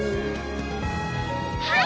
はい！